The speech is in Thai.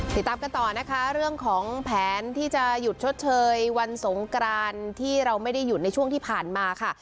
ติดตามกันต่อนะคะเรื่องของแผนที่จะหยุดชดเชยวันสงกรานที่เราไม่ได้หยุดในช่วงที่ผ่านมาค่ะ